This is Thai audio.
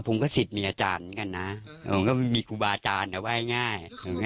ผมก็สิทธิ์มีอาจารย์เหมือนกันนะผมก็มีครูบาอาจารย์แต่ว่าง่าย